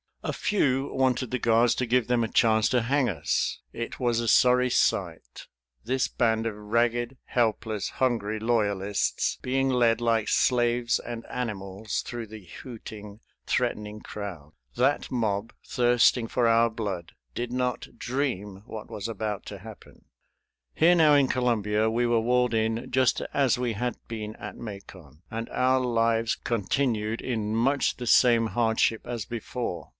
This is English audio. A few wanted the guards to give them a chance to hang us. It was a sorry sight this band of ragged, helpless, hungry loyalists being led like slaves and animals through the hooting, threatening crowd. That mob, thirsting for our blood, did not dream what was about to happen. Here now in Columbia we were walled in just as we had been at Macon, and our lives continued in much the same hardship as before.